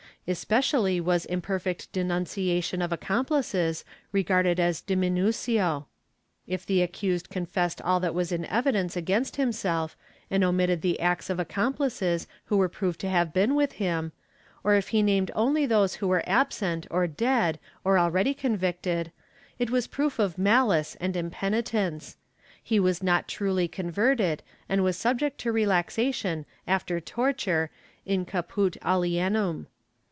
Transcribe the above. Especially was imperfect denunciation of accomplices regarded as diminucio; if the accused confessed all that was in evidence against himself and omitted the acts of accomplices who were proved to have been with him, or if he named only those who were absent or dead or already convicted, it was proof of malice and impenitence; he was not truly converted and was subject to relaxation after torture in caput alienum.